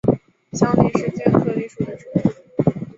香藜是苋科藜属的植物。